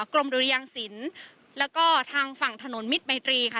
กรมดุรยางศิลป์แล้วก็ทางฝั่งถนนมิตรไมตรีค่ะ